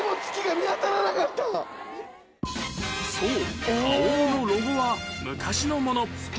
そう花王のロゴは昔のもの